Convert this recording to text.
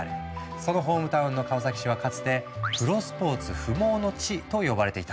そのホームタウンの川崎市はかつて「プロスポーツ不毛の地」と呼ばれていたんだ。